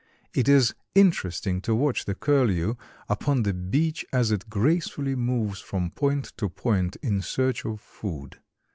It is interesting to watch the Curlew upon the beach as it gracefully moves from point to point in search of food.